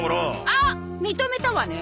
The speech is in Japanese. あっ認めたわね。